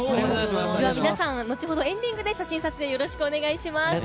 皆さん後ほどエンディングで写真撮影よろしくお願いします。